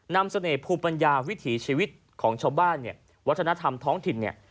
เสน่ห์ภูมิปัญญาวิถีชีวิตของชาวบ้านเนี่ยวัฒนธรรมท้องถิ่นเนี่ย